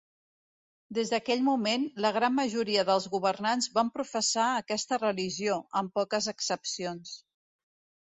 Des d'aquell moment, la gran majoria dels governants van professar aquesta religió, amb poques excepcions.